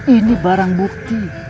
ini barang bukti